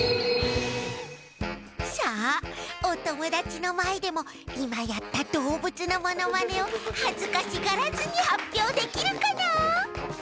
さあおともだちのまえでもいまやったどうぶつのものまねをはずかしがらずにはっぴょうできるかな？